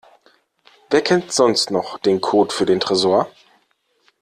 Wer kennt sonst noch den Code für den Tresor?